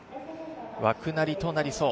枠なりとなりそう。